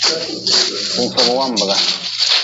Kunfogwambga.